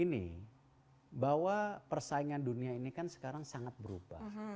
ini bahwa persaingan dunia ini kan sekarang sangat berubah